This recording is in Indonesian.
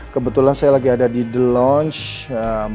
kebetulan saya lagi ada di the launch